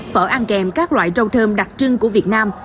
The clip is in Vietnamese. phở ăn kèm các loại rau thơm đặc trưng của việt nam